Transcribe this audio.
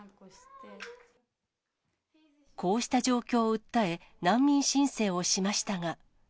こうした状況を訴え、難民申請をしましたが。